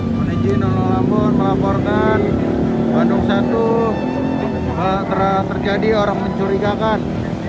mohon izin nololambun melaporkan bandung satu terjadi orang mencurigakan